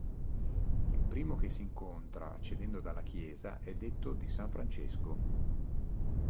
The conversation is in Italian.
Il primo che si incontra, accedendo dalla chiesa, è detto "di San Francesco".